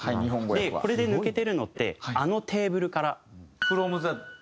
でこれで抜けてるのって「あのテーブルから」。